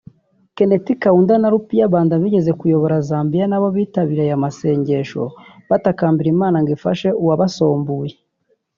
Keneth Kaunda na Rupiah Banda bigeze kuyobora Zambia na bo bitabiriye aya amasengesho batakambira Imana ngo ifashe uwabasombuye